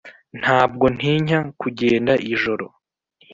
ntabwo ntinya kugenda nijoro.